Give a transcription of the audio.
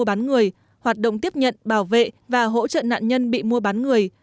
đấu tranh chống tội phạm mùa bán người hoạt động tiếp nhận bảo vệ và hỗ trợ nạn nhân bị mùa bán người